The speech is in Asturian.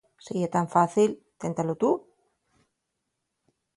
Si ye tan fácil, téntalo tu.